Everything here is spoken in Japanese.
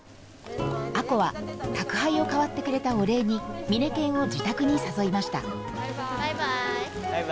亜子は宅配をかわってくれたお礼にミネケンを自宅に誘いましたバイバイ。